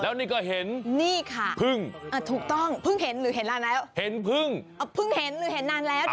แล้วนี่ก็เห็นนี่ค่ะพึ่งถูกต้องเพิ่งเห็นหรือเห็นนานแล้วเห็นพึ่งเพิ่งเห็นหรือเห็นนานแล้ว